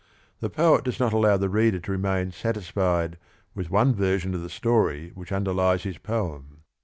The poet does not allow the reader to remain satisfied with one version of the story which underlies his poem.